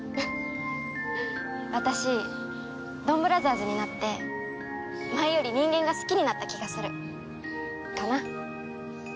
私ドンブラザーズになって前より人間が好きになった気がするかな。